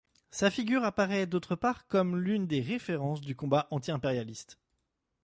Sa figure apparaît d'autre part comme l’une des références du combat anti-impérialiste.